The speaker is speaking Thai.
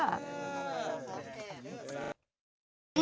อยากกินไหมนะ